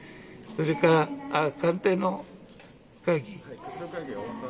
それから官邸の会議。